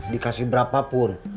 dikasih berapa pun